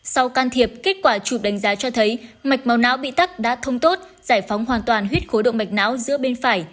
sau can thiệp kết quả chụp đánh giá cho thấy mạch máu não bị tắc đã thông tốt giải phóng hoàn toàn huyết khối động mạch não giữa bên phải